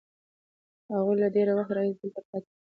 هغوی له ډېر وخت راهیسې دلته پاتې دي.